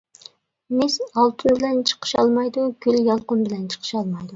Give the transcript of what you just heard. مىس ئالتۇن بىلەن چىقىشالمايدۇ، كۈل يالقۇن بىلەن چىقىشالمايدۇ.